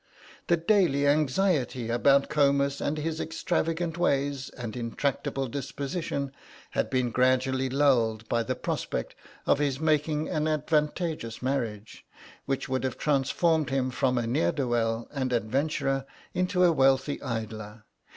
The daily anxiety about Comus and his extravagant ways and intractable disposition had been gradually lulled by the prospect of his making an advantageous marriage, which would have transformed him from a ne'er do well and adventurer into a wealthy idler.